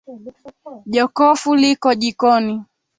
Jokofu liko jikoni